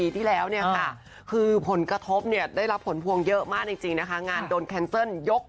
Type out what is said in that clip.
แทนเซิลหน้างานเลยอ่ะ